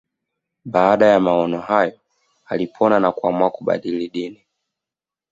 Baada ya maono hayo alipona na kuamua kubadili dini